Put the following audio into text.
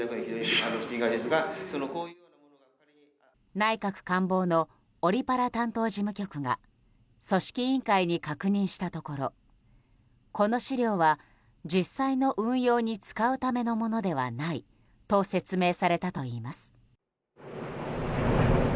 内閣官房のオリパラ担当事務局が組織委員会に確認したところこの資料は実際の運用に使うためのものではないと説明されたといいます。